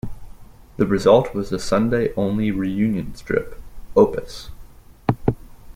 The result was the Sunday-only reunion strip, "Opus".